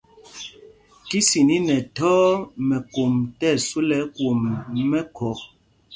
Kisin i nɛ thɔɔ mɛkom tí ɛsu lɛ ɛkwom mɛkhɔk.